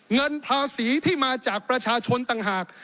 เงินภาษีที่มาจากประชาชนต่างหาก